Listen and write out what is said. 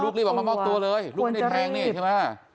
รีบออกมามอบตัวเลยลูกไม่ได้แทงนี่ใช่ไหม